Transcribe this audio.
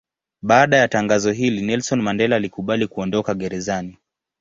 Baada ya tangazo hili Nelson Mandela alikubali kuondoka gerezani.